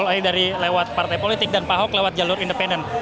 ini dari lewat partai politik dan pak ahok lewat jalur independen